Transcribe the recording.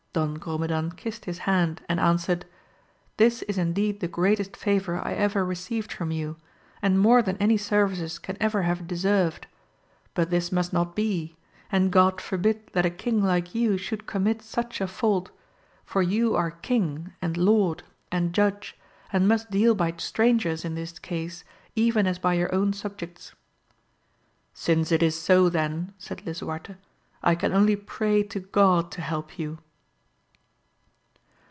Don Grumedan kissed his hand and a^swe^ed, This is indeed the great est favour I ever received from you, and more than any services can ever have deserved; but this must not be, and God forbid that a king like you should commit such a fault, for you are king, and lord, and judge, and must deal by strangers in this case, even as by your own subjects. Since it is so then, said Lisuarte, I can only pray to God to help you.